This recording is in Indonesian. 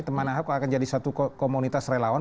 teman ahok akan jadi satu komunitas relawan